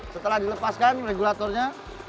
setelah dilepaskan regulatornya